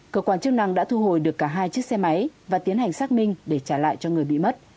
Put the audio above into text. cơ quan chức năng đã thu hồi được cả hai chiếc xe máy và tiến hành xác minh để trả lại cho người bị mất